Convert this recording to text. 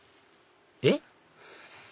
えっ？